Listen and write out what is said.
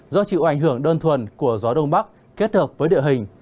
do chịu ảnh hưởng đơn thuần của gió đông bắc kết hợp với địa hình